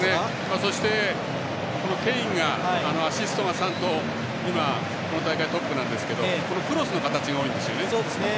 そして、ケインがアシストが３とこの大会トップなんですがクロスの形が多いんですね。